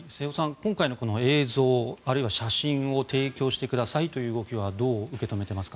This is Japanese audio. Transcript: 今回のこの映像、あるいは写真を提供してくださいという動きはどう受け止めていますか？